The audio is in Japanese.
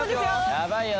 やばいよ。